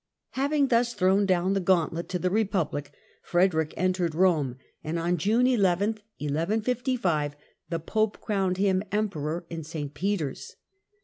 Having thus thrown down the gauntlet to the Republic, Frederick entered Rome, and on June 18, Frederick 1155, the Popc crowucd him Emperor in St Peter's.